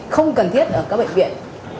không cần thiết ở các bệnh viện